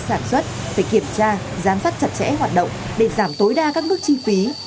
sản xuất phải kiểm tra giám sát chặt chẽ hoạt động để giảm tối đa các mức chi phí